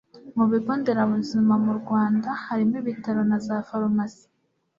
mu bigo nderabuzima mu rwanda harimo ibitaro na za farumasi